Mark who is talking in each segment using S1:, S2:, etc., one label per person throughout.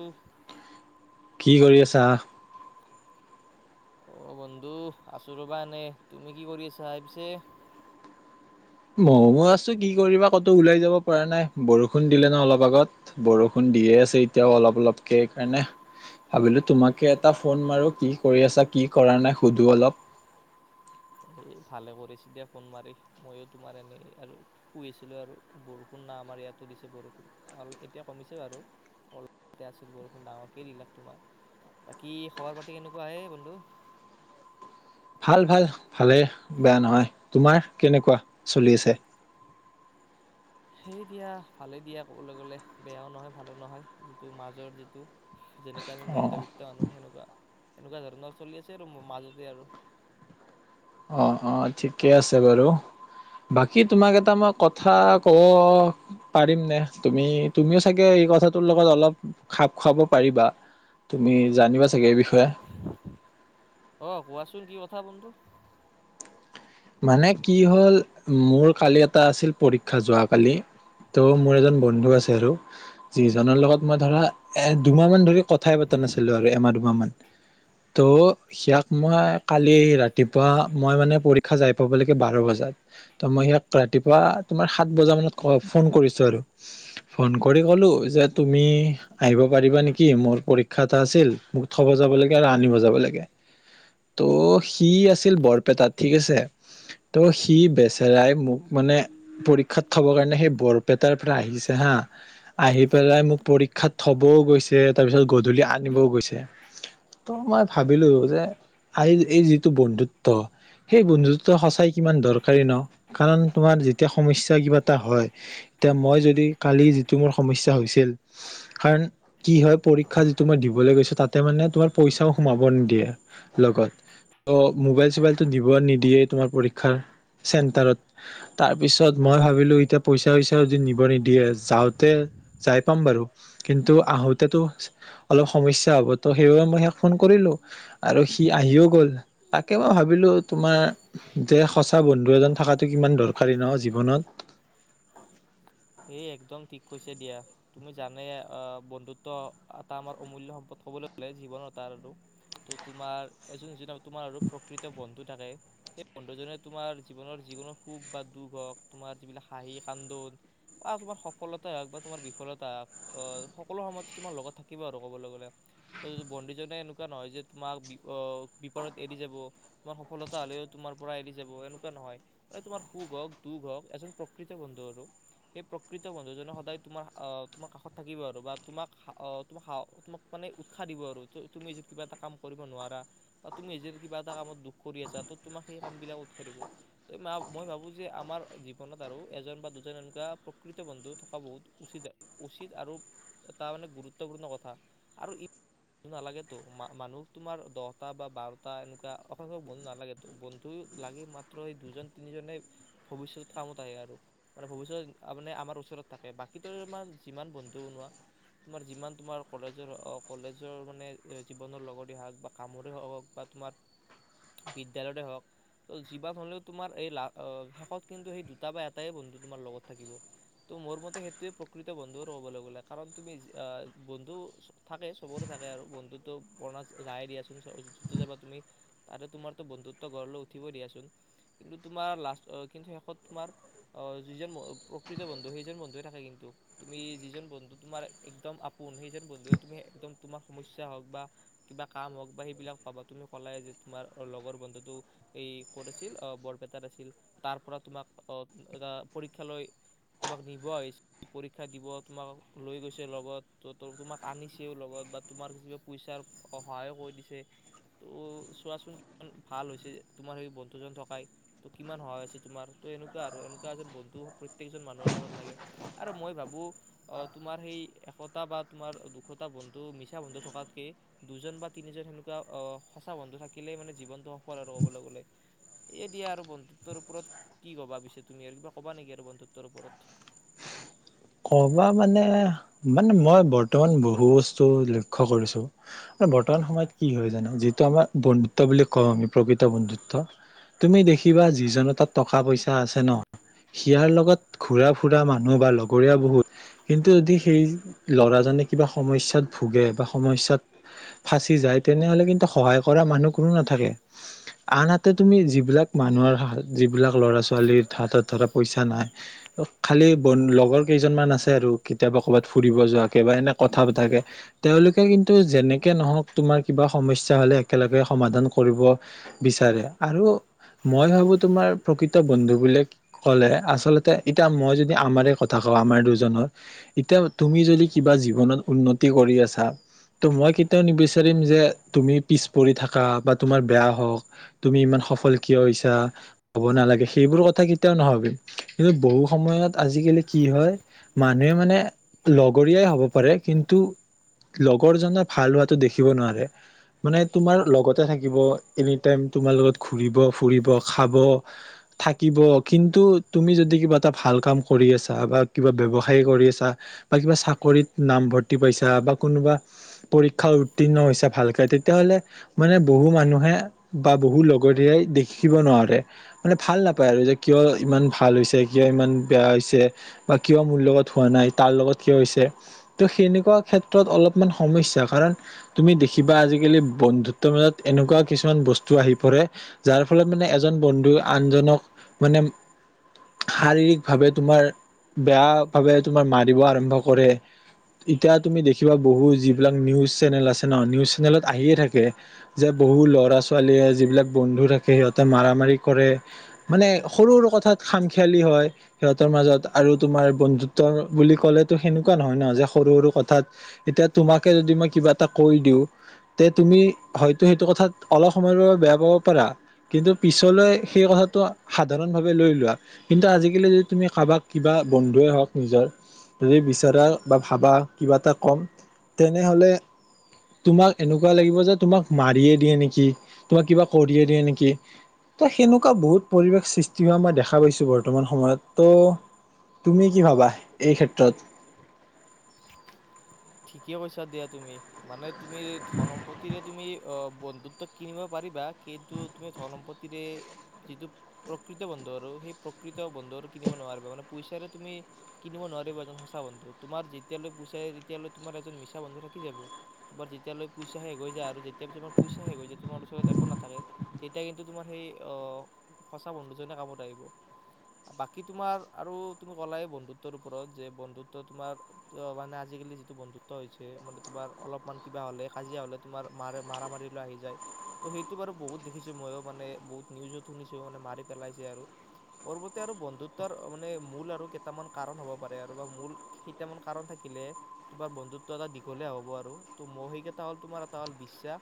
S1: উম।
S2: কি কৰি আছা।
S1: অ বন্ধু আছোঁ ৰ'বানে তুমি কি কৰি আছা ভপিছে।
S2: ময় মো আছো কি কৰিবা ক'তো ওলাই যাব পৰা নাই বৰষুণ দিলে ন অলপ আগত বৰষুণ দিয়ে আছে এতিয়াও অলপ অলপকে সেইকাৰণেভাবিলো তোমাকে এটা ফোন মাৰো কি কৰি আছা কি কৰা নাই সুধো অলপ।
S1: এই ভালে কৰিছে দিয়া ফোন মাৰি ময়ো তোমাৰ এনেই আৰু শুই আছিলোঁ আৰু বৰষুণ ন আমাৰ ইয়াতো দিছে বৰষুণ অ এতিয়া কমিছে বাৰু অলপতে আছিল বৰষুণ ডাঙৰকেই দিলাক তোমাৰ বাকী খবৰ পাতি কেনেকুৱা আহে বন্ধু।
S2: ভাল ভাল ভালে বেয়া নহয় তোমাৰ কেনেকুৱা চলি আছে।
S1: সেই দিয়া ভালে দিয়া ক'বলৈ গলে বেয়াও নহয় ভালো নহয় যিটো মাজৰ যিটো। যেনেকে আমি
S2: অ
S1: মধ্যবিত্তৰ আনো সেনেকুৱা। এনেকুৱা ধৰণৰ চলি আছে আৰু মো মাজতে আৰু।
S2: অ অ ঠিকে আছে বাৰু বাকী তোমাক এটা মই কথা ক'ব পাৰিমনে তুমি তুমিও চাগে এই কথাটোৰ লগত অলপ খাপ খুৱাব পাৰিবা তুমি জানিবা চাগে এই বিষয়ে।
S1: অহ কোৱাচোন কি কথা বন্ধু।
S2: মানে কি হ'ল মোৰ কালি এটা আছিল পৰীক্ষা যোৱ কালি মানে কি হল মোৰ এজন বন্ধু আছে আৰু যিজনৰ লগত মই ধৰা এ দুমাহ মান ধৰি কথাই পতা নাছিলো আৰু এমাহ দুমাহ মান ত' সিয়াক মই কালি ৰাতিপুৱা
S1: বন্ধু
S2: মই মানে পৰি। পা যাই পাব লাগে বাৰ বজাত ত' মই সাক ৰাতিপুৱা তোমাৰ সাত বজা মানত ফোন কৰিছো আৰু ফোন কৰি ক'লো যে তুমি আহিব পাৰিবা নেকি মোৰ পৰীক্ষা এটা আছিল মোক থব যাব লাগে আৰু আনিব যাব লাগে ত' সি আছিল বৰপেটাত। ঠিক আছে ত' সি বেচেৰাই মোক মানে পৰীক্ষাত থব কাৰণে সেই বৰপেটাৰ পৰা আহিছে হা আহি পেলাই মোক পৰীক্ষাত থবও গৈছে তাৰপিছত গধূলি আনিবও গৈছে ত মই ভাবিলো যে আ এই যিটো বন্ধুত্ব। সেই বন্ধত কিমান দৰকাৰী ন কাৰণ তোমাৰ যেতিয়া সমস্যা কিবা এটা হয়য়া মই যদি কালি যিটো মোৰ সমস্যা হৈছিল কাৰণ কি হয় পৰীক্ষা যিটো মই দিবলৈ গৈছো তাতে মানে তোমাৰ পইচাও সোমাব নিদিয়ে লগত ত মোবাইল চোৱা ইল। সুব নিদিয়ে তোমাৰ পৰিক্ষা চেণ্টাৰত তাৰপিছত মই ভাবিলো প ইছা চ ইছা নিব নিদিয়ে জনাওঁতে জা ইপাম বাৰু। কিন্ত আহোতেই অলপ সমস্যা হব ত সেইবাবে মই। ফোন কৰিলোঁ আৰু। কি আহিওঁ গ'ল তাকে মই ভাবিলোঁ। তোমাৰ যে সঁচা বন্ধু এজন থকাটো কিমান দৰকাৰী ন জীৱনত।
S1: হৈছে দিয়া তুমি জানে অ বন্ধুত্ব এটা আমাৰ অমূল্যয় সম্পদ ক'বলৈ হ'লে জীৱন তাৰ আৰু, ত' তোমাৰ এজন হিছাপে তোমাৰ আৰু প্ৰকৃত বন্ধু থাকে। সেই বন্ধুজনে তোমাৰ জীৱনৰ যিকোনো সুখ বা দুখ হওঁক তোমাৰ যিবিলাক হাঁহি কান্দোন। অ তোমাৰ সফলতাই হওঁক বা তোমাৰ বিফলতা হওঁক আহ সকলো সময়তে তোমাৰ লগত থাকিব। আৰু ক'বলৈ গ'লে বন্ধুজনে এনেকুৱা নহয় যে তোমাক বিপদত এৰি যাব, তোমাৰ সফলতা হ'লেও এই তোমাৰ পৰা এৰি যাব এনেকুৱা নহয়, মানে তোমাৰ সুখ হওঁক দুখ হওঁক এজন প্ৰকৃত বন্ধু আৰু। সেই প্ৰকৃত বন্ধু জনে সদায় তোমাৰ অ তোমাৰ কাষত থাকিব। আৰু বা তোমাক ত তমাক মানে উৎসাহ দিব, আৰু তুমি এ কিবা এটা কাম কৰিব নোৱাৰা, বা তুমি এ কিবা এটা কামত দুখ কৰি আছা। ত তোমাক সেই কাম বিলাক উৎসাহ দিব ত মই ভাবো যে আমাৰ জীৱনত আৰু এজন বা দুজন। প্ৰকৃত বন্ধু থকা বহুত উচিত উচিত আৰু এটা মানে গুৰুত্বপূৰ্ণ কথা। আৰু ই ব নালাগেতো মানুহ তোমাৰ দহটা বা বাৰটা এনেকুৱা অসংখ্যক বন্ধু নালাগেতো। বন্ধু লাগি মাত্ৰ সেই দুজন তিনিজনে ভৱিষ্যত কামত আহে আৰু মানে ভৱিষ্যত। মানে আমাৰ ওচৰত থাকে বাকী তোমাৰ যিমান বন্ধু বনোৱা, তোমাৰ যিমান তোমাৰ কলেজৰ কলেজৰ মানে জীৱনৰ লগতে হওঁক বা কামৰে হওঁক, বা তোমাৰ বিদ্যালয়তে হওঁক যিমান হ'লেও তোমাৰ এই লা শেষত কিন্তু সেই দুটা বা এটাই বন্ধু তোমাৰ লগত। থাকিব ত মোৰ মতে সেইটোৱে প্ৰকৃত বন্ধু ক'বলৈ গ'লে কাৰণ তুমি বন্ধু থাকে চবৰে থাকে। আৰু বন্ধুতটো বৰ্ণা নাই দিয়াচোন যাবা তুমি তাৰে তোমাৰতো বন্ধুত্ব গড় লৈ উঠিব দিয়াচোন কিন্তু, তোমাৰ লাষ্ট কিন্তু শেষত তোমাৰ যিজন। প্ৰকৃত সেইজন বন্ধে থাকে। কিন্তু তুমি যিজন বন্ধু তোমাৰ একদম আপোন সেইজন বন্ধুৱে তুমি একদম তোমাৰ সমস্যা হওঁক বা কিবা কাম হওঁক বা সেইবিলাক পাবা। তুমি কলাই যে তোমাৰ লগৰ বন্ধুটো এই ক'ত আছিল বৰপেটাত আছিল তাৰ পৰা তোমাক এটা পৰীক্ষা লৈ। তোমাক নিব আহিছে পৰীক্ষা দিব তোমাক লৈ গৈছে লগত। ত তোমাক আনিছেওঁ লগত। বা তোমাৰা পইচাৰ সহায়ো কৰি দিছে। ত চোৱাচোনমান ভাল হৈছে। তোমাৰ সেই বন্ধুজন থকাই ত কিমান সহায় হৈছে তোমাৰ ত এনেকুৱা আৰু এনেকুৱা এজন বন্ধু। প্ৰত্যেকজন মানুহৰ লগত লাগে। আৰু মই ভাবো অ তোমাৰ সেই এশটা বা তোমাৰ দুশটা বন্ধু মিছা বন্ধু থকাতকে, দুজন বা তিনিজন সেনেকুৱা আহ সঁচা বন্ধু থাকিলে মানে জীৱনটো সফল। আৰু কবলৈ গলে, এ দিয়া আৰু বন্ধুত্বৰ ওপৰত কি কবা পিছে তুমি আৰু কিবা ক'বা নেকি আৰু বন্ধুত। [unintelligible] তাৰ ওপৰত।
S2: কবা মানে মানে মই বৰ্তমান বহু বস্তু লক্ষ্য কৰিছোঁ মই বৰ্তমান সময়ত কি হয় জানো, যিটো আমাৰ বন্ধুত্ব বুলি কওঁ আমি প্ৰকৃত বন্ধুত্ব তুমি দেখিবা যিজনৰ তাত টকা পইচা আছে ন সিয়াৰ লগত ঘুৰা ফুৰা মানুহ বা লগত। [unintelligible] কৰিলা বহুত কিন্তু যদি সেই ল'ৰাজনে কিবা সমস্যাত ভোগে বা সমস্যাত ফাঁচি যায়, তেনেহলে কিন্তু সহায় কৰা মানুহ কোনো নাথাকে। আনহাতে তুমি যিবিলাক মানুহৰ হা যিবিলাক ল'ৰা ছোৱালীৰ হাতত ধৰা পইচা নাই খালি বন লগৰ। [unintelligible] কেইজনমান আছে আৰু কেতিয়াবা ক'ৰবাত ফুৰিব যোৱাকে বা এনে কথা পথাকে, তেওঁলোকে কিন্তু যেনেকে নহওঁক তোমাৰ কিবা সমস্যা হ'লে, একেলগে সমাধান কৰিব বিচাৰে। আৰু মই ভাবো তোমাৰ প্ৰকৃত বন্ধু বুলি ক'লে আচলতে এতিয়া মই যদি আমাৰে কথা। [unintelligible] থাকক আমাৰ দুজনৰ এতিয়া তুমি যদি কিবা জীৱনত উন্নতি কৰি আছা। ত মই কেতিয়াওঁ নিবিচাৰিম যে তুমি পিছ পৰি থাকা বা তোমাৰ বেয়া হওঁক, তুমি ইমান সফল কিয় হৈছা হ'ব নালাগে। সেইবোৰ কথা কেতিয়াওঁ নাভাবিম কিন্তু বহু সময়ত আজি কালি। কি হয় মানুহে মানে লগৰীয়াই হ'ব পাৰে। কিন্তু লগৰজনে ভাল হোৱাটো দেখিব নোৱাৰে, মানে তোমাৰ লগতে থাকিব এনিটাইম তোমাৰ লগত ঘুৰিব ফুৰিব খাব থাকিব, কিন্তু তুমি যদি কিবা এটা ভাল কাম কৰি আছা। [unintelligible] তাৰ পৰা কিবা বিব্যসায় কৰি আছা। বা কিবা চাকৰিত নামভৰ্তি পাইছা। বা কোনোবা পৰীক্ষা উত্তীৰ্ণ হৈছা। ভালকে তেতিয়াাহলে মানে বহু মানুহে বা বহু লগৰীয়াই দেখিব নোঁৱাৰে, মানে ভাল নাপায় আৰু যে কিয় ইমান ভাল হৈছে কিয় ইমান বেয়া হৈছে। বা কিয় মোৰ লগত হোৱা নাই। তাৰ লগত কিয় হৈছে, ত' সেনেকুৱা ক্ষেত্ৰত অলপমান সমস্যা কাৰণ, তুমি দেখিবা আজিকালি বন্ধুত্বৰ মাজত এনেকুৱা কিছুমান বস্তু আহি পৰে, যাৰ ফলত মানে এজন বন্ধু আনজনক মানে শাৰীৰিক ভাৱে তোমাৰ। [unintelligible] বেয়া ভাবে তোমাৰ মাৰিব আৰম্ভ কৰে। এতিয়া তুমি দেখিবা বহু যিবিলাক নিউজ চেনেল আছে ন, নিউজ চেনেলত আহিয়ে থাকে যে বহু ল'ৰা ছোৱালীয়ে যিবিলাক বন্ধু থাকে। সিহঁতে মাৰ মাৰি কৰে মানে সৰু সৰু কথাত খামখিয়ালি হয় সিহঁতৰ মাজত। [unintelligible] আৰু তোমাৰ বন্ধুত্ব বুলি ক'লেতো, সেনেকুৱা নহয় ন, যে সৰু সৰু কথাত এতিয়া তোমাকে যদি মই কিবা এটা কৈ দিওঁ। তে তুমি হয়তো সেইটো কথাত অলপ সময়ৰ বাবে বেয়া পাব পাৰা। কিন্তু পিছলৈ সেই কথাটো সাধাৰণ ভাৱে লৈ লোৱা। কিন্তু আজিকালি যদি তুমি কাৰোবাক। কিবা বন্ধুৱে হওঁক নিজৰ যদি বিচৰা বা ভাবা কিবা এটা কম। তেনেহ'লে তোমাক এনেকুৱা লাগিব যে তোমাক মাৰিয়ে দিয়ে নেকি, তোমাক কিবা কৰিয়ে দিয়ে নেকি, ত সেনেকুৱা বহুত পৰিৱেশ সৃষ্টি হোৱা মই দেখা পাইছোঁ বৰ্তমান সময়ত ত'। তুমি কি ভাবা এই ক্ষেত্ৰত।
S1: ঠিকে কৈছা দিয়া তুমি মানে। তুমি ধন সম্পত্তিৰে তুমি অ। বন্ধুত্ব কিনিব পাৰিবা। কিন্তু তুমি ধন সম্পত্তিৰে যিটো প্ৰকৃত বন্ধু আৰু সেই প্ৰকৃত বন্ধু আৰু কিনিব নোৱাৰিবা। মানে পইচাৰে তুমি কিনিব নোৱাৰিবা। এজন সঁচা বন্ধু তোমাৰ যেতিয়ালৈ পইচাৰে। [unintelligible] তেতিয়ালৈাৰ এজন মিছা বন্ধু থাকি যাব। তোমাৰ যেতিয়ালৈ পইচা শেষ হৈ যায়, আৰু যেতিয়া তোমাৰ পইচা শেষ হৈ যায় তোমাৰ ওচৰত একো নাথাকে, তেতিয়া কিন্তু তোমাৰ সেই আহ সঁচা বন্ধুজনে কামত আহিব। বাকী তোমাৰ আৰু তুমি কলাই বন্ধুত্বৰ ওপৰত যে বন্ধুত্ব তোমাৰ মানে আজি কালি। [unintelligible] বন্ধুত্ব হৈছে মানে তোমাৰ অলপমান কিবা হ'লে কাজিয়া হ'লে তোমাৰ মা মাৰা মাৰি লৈ আহি যায়। ত সেইটো বাৰু বহুত দেখিছোঁ। মইও মানে বহুত নিউজত শুনিছোঁ মানে মাৰি পেলাইছে। আৰু মোৰ মতে আৰু বন্ধুত্বৰ মানে মূল, আৰু কেইটামান কাৰণ হ'ব পাৰে আৰু মূল কেইটামান কাৰন থাকিলে। [unintelligible] তোমাৰ বন্ধুত্ব এটা দীঘলীয়া হ'ব। আৰু ত মৌ সিকেইটা হ'ল তোমাৰ এটা হ'ল বিশ্বাস।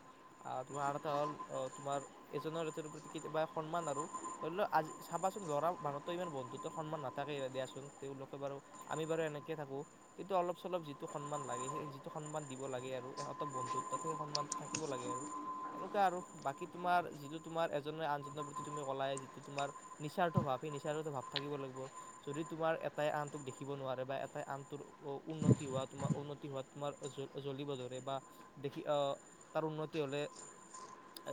S1: আহ তোমাৰ আৰু এটা হ'ল অ তোমাৰ এজনৰ এজনৰ প্ৰতি কেতিয়াবা সন্মান। আৰু ধৰি লোৱা আজি চাবাচোন ল'ৰা মানুহতো ইমান বন্ধুত্বৰ সন্মান নাথাকে। দিয়াচোন তেওঁলোকে বাৰু আমি বাৰু এনেকে থাকোঁ কিন্তু অলপ চলপ। যিটো সন্মান লাগে সেই যিটো সন্মান দিব লাগে। আৰু ইহঁত বন্ধুত্বত সেই সন্মানটো থাকিব লাগে। আৰু সেনেকুৱা আৰু বাকী তোমাৰ যিটো তোমাৰ এজনে আনজনৰ প্ৰতি তুমি কলাই যিটো তোমাৰ নিস্বাৰ্থ ভাৱ সেই নিচাৰ্থ ভাৱ থাকিব লাগিব। যদি তোমাৰ এটাই আনটোক দেখিব নোৱাৰে বা এটাই আনটো উন্নতি। উন্নতি হোৱা তোমাৰ উন্নতি হোৱা তোমাৰ জ জ্বলিব ধৰে, বা দেখি আহ তাৰ উন্নতি হ'লে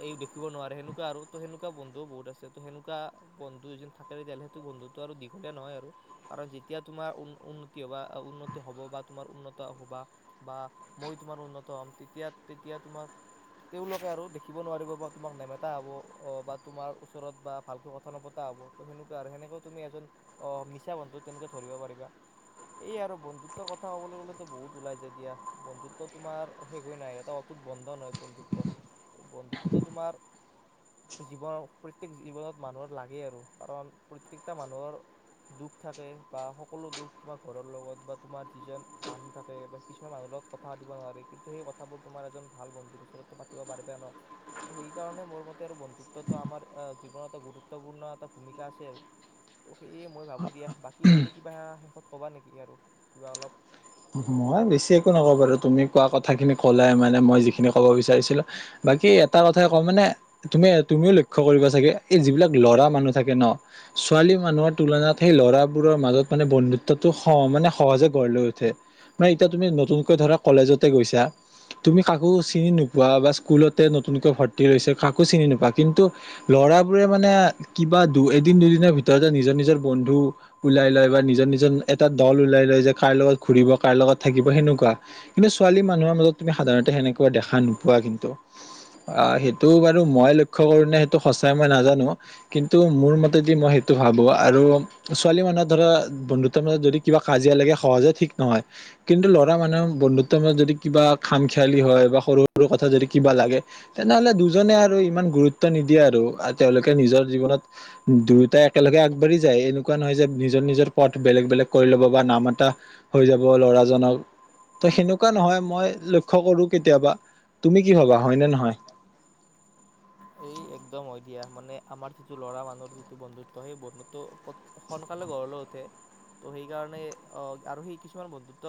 S1: এ দেখিব নোৱাৰে, সেনেকুৱা আৰু ত সেনেকুৱা বন্ধু বহুত আছে। ত সেনেকুৱা বন্ধু যে থাকে তেতিয়াহ'লে সেইটো বন্ধুতটো আৰু দীঘলীয়া নহয়। আৰু কাৰণ যেতিয়া তোমাৰ উন্নতি হব উন্নতি হ'ব বা। তোমাৰ উন্নত হবা বা মই তোমাৰ উন্নত হ'ম। তেতিয়া তেতিয়া তোমাৰ তেওঁলোকে আৰু দেখিব নোৱাৰিব বা তোমাক নেমতা হ'ব। অ বা তোমাৰ ওচৰত বা ভালকৈ কথা নপতা হ'ব। ত সেনেকোৱা আৰু সেনেকেওঁ তুমি এজন অ মিছা বন্ধু তেনেকে ধৰিব পাৰিবা সেই আৰু বন্ধুত্বৰ কথা। কথা কবলৈ গ'লে বহুত ওলাই যায় দিয়া। বন্ধুত্ব তোমাৰ শেষ হৈ নাই এটা অতুট বন্ধন হয়। বন্ধুত্ব ত বন্ধুত্বটো তোমাৰ জীৱনৰ প্ৰত্যেক জীৱনত মানুহৰ লাগে। আৰু কাৰণ প্ৰত্যেকটা মানুহৰ দুখ থাকে বা সকলো দুখ তোমাৰ ঘৰৰ লগত বা তোমাৰ। যিজন মানুহ থাকে বা কিছুমান মানুহৰ লগত কথা পাতিব নোৱাৰে। কিন্তু সেই কথাবোৰ তোমাৰ এজন ভাল বন্ধুৰ ওঁচৰতো পাতিব পাৰিবা ন ত সেইকাৰণে, মোৰ মতে আৰু বন্ধুত্বটো আমাৰ জীৱনৰত এটা গুৰুত্বপূৰ্ণ এটা ভূমিকা আছে। আৰু ত সেয়ে মই ভাবো দিয়া বাকী তুমি কিবা শেষত কবা নেকি আৰু। কিবা অলপ।
S2: মই বেছি একো নকওঁ আৰু তুমি কোৱা কথা খিনি ক'লাই মানেই মই যিখিনি ক'ব বিচাৰিছিলোঁ। বাকী এটা কথাই কওঁ মানে তুমি তুমিওঁ লক্ষ্য কৰিবা, চাগে এই যিবিলাক ল'ৰা মানুহ থাকে ন ছোৱালী মানুহৰ তুলনাত সেই ল'ৰাবোৰ মাজত মানে বন্ধুত্বটো স মানে সহজে গঢ় লৈ উঠে। অ এতিয়া তুমি নতুনকৈ ধৰা কলেজতে গৈছা। তুমি কাকো চিনি নোপোৱা বা স্কুলতে নতুনকৈ ভৰ্তি লৈছা। কাকো চিনি নোপোৱা। কিন্তু ল'ৰাবোৰে মানে কিবা দু এদিন দুদিনৰ ভিতৰতে নিজৰ নিজৰ বন্ধু ওলাই লয়, বা নিজৰ নিজৰ এটা দল ওলাই লয় যে কাৰ লগত। ঘুৰিব কাৰ লগত থাকিব। হেনেকুৱা কিন্তু ছোৱালী মানুৰ মাজত তুমি সাধাৰণতে হেনেকোৱা দেখা নোপোৱা। কিন্তু সেইটো বাৰু মই ল্যক্ষ কৰোঁ, সেইটো সঁচাই মই নাজানো কিন্তু মোৰ মতে যি মই সেইটো ভাবোঁ আৰু ছোৱালীৰ মানুহ ধৰা বন্ধুত্বৰ মাজত যদি কিবা কাজিয়া লাগে সহজত। নহয় কিন্তু ল'ৰা মানুহৰ বন্ধুত্ব মাজত যদি কিবা খাম খেয়ালি হ'য়, বা সৰু সৰু কথা যদি কিবা লাগে তেনেহলে দুজনে আৰু ইমান গুৰুত্ব নিদিয়ে, আৰু তেওঁলোকে নিজৰ জীৱনত দুয়োটাই একেলগে আগবাঢ়ি যায় এনেকুৱা নহয় যে নিজৰ নিজৰ পথ বেলেগ বেলেগ কৰি ল'ব বা নাম এটা। হৈ যাব ল'ৰাজনক ত সেনেকুৱা নহয় মই লক্ষ্য কৰো কেতিয়াবা তুমি কি ভবা হয়নে নহয়।
S1: এই একদম হয়। দিয়া মানে আমাৰ যিটো ল'ৰা মানুহৰ যিটো বন্ধুত্ব সেই বন্ধুত্ব সোনকালে গড় লৈ উঠে। ত' সেইকাৰণে অ আৰু সেই কিছুমান বন্ধুত্ব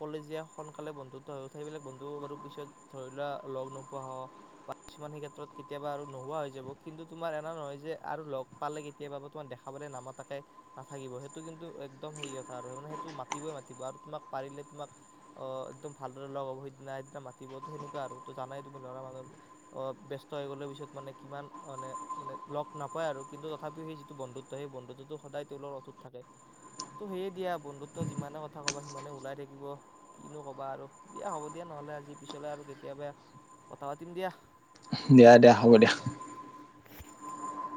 S1: কলেজীয়া সোনকালে বন্ধুত্ব হৈ উঠে সেইবিলাক বন্ধু বাৰু পিছত ধৰি লোৱা লগ নোপোৱা হয় বা কিছুমান। কেতিয়াবা আৰু নোহোৱা হৈ যাব। কিন্তু তোমাৰ এনেকা নহয় যে আৰু লগ পালে কেতিয়াবা তোমাৰ দেখা পালে নামতাকে নাথাকিব। সেইটো কিন্তু একদম হেৰি কথা আৰু সেইটো মাতিই মাতিব আৰু তোমাক পাৰিলে তোমাক, আহ একদম ভালদৰে লগ হব সেইদিনা সেইদিনা মাতিব ত সেনেকুৱা আৰু ত জানাই তুমি লৰা মানুহৰ বিয়স্ততা। [unintelligible] থয় হৈ গ'লে পিছত মানে কিমান মানে মানে লগ নাপায় আৰু কিন্তু তথাপিওঁ সেই যিটো বন্ধুত্ব সেই বন্ধুত্বটো সদায় তেওঁলগত অটোত থাকে। ত' সেয়ে দিয়া বন্ধুত্ব যিমানে কথা ক'বা সিমানে ওঁলাই থাকিব। কিনো ক'বা আৰু দিয়া হ'ব দিয়া নহ'লে আজি পিছলে আৰু কেতিয়াবা কথা পাতিম দিয়া।
S2: দিয়া দিয়া হ'ব দিয়া।
S1: [inaudible]